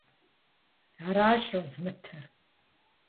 Аращ щӀозмытыр!